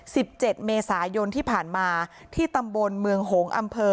สิบเจ็ดเมษายนที่ผ่านมาที่ตำบลเมืองหงอำเภอ